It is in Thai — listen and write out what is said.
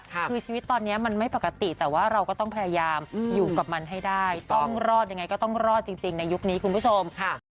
คือชีวิตตอนนี้มันไม่ปกติแต่ว่าเราก็ต้องพยายามอยู่กับมันให้ได้ต้องรอดยังไงก็ต้องรอดจริงในยุคนี้คุณผู้ชมค่ะ